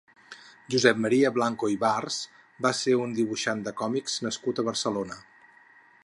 Josep Maria Blanco Ibarz va ser un dibuixant de còmics nascut a Barcelona.